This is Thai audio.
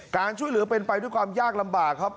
การช่วยเหลือเป็นไปด้วยความยากลำบากครับ